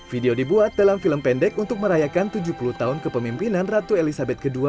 video dibuat dalam film pendek untuk merayakan tujuh puluh tahun kepemimpinan ratu elizabeth ii